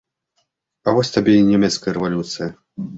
А вось табе і нямецкая рэвалюцыя!